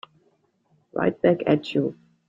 Right back at you.